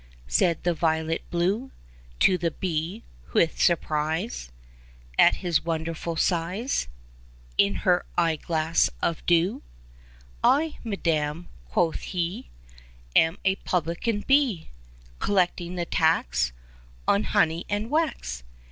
Said the violet blue To the Bee, with surprise At his wonderful size, In her eye glass of dew. " I, madam," quoth he, " Am a publican Bee, Collecting the tax On honey and wax.